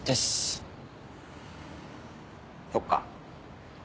そっか。